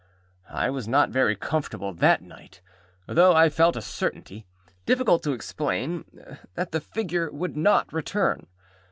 I was not very comfortable that night, though I felt a certainty, difficult to explain, that the figure would not return.